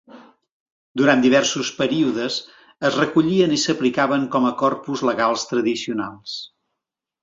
Durant diversos períodes es recollien i s'aplicaven com a corpus legals tradicionals.